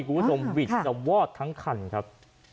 กูก็สมวิทย์จะวอดทั้งคันครับ